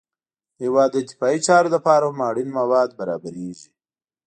د هېواد د دفاعي چارو لپاره هم اړین مواد برابریږي